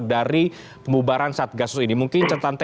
dari pembubaran satgasus ini